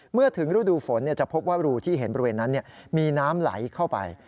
เมื่อถึงฤดูฝนจะพบว่ารูที่เห็นบริเวณนั้นมีน้ำไหลเข้าไป